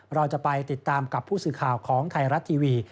เราจะไปติดตามกับผู้สื่อข่าวของไทยรัฐทีวี